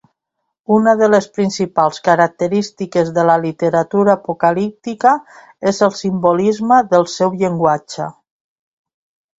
Una de les principals característiques de la literatura apocalíptica és el simbolisme del seu llenguatge.